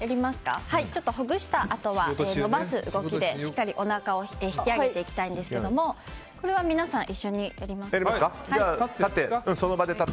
ちょっとほぐしたあとは伸ばす動きでしっかり、おなかを引き上げていきたいんですがこれは皆さん一緒にやりましょう。